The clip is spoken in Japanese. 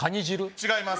違います